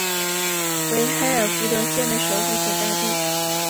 为黑尔福德县的首府所在地。